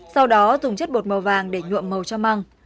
sau đó dùng chất bột màu vàng để nhuộm màu cho măng